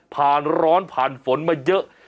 ร้อนผ่านฝนมาเยอะ